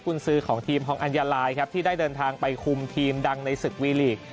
คุณซื้อของทีมฮองอัญญาลายครับที่ได้เดินทางไปคุมทีมดังในศึกวีลีก